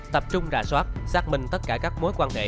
tập trung rà soát xác minh tất cả các mối quan hệ